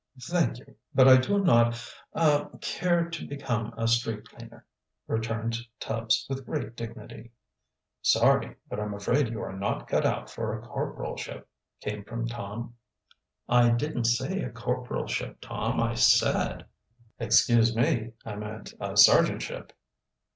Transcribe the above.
"Thank you, but I do not ah care to become a street cleaner," returned Tubbs, with great dignity. "Sorry, but I'm afraid you are not cut out for a corporalship," came from Tom. "I didn't say a corporalship, Tom, I said " "Excuse me, I meant a sergeantship."